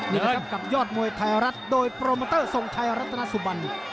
มีพระครัปกลับเยาทมวยไทยรัฐโดยปรโมเตอร์ส่องไทยรัฐนสุบัน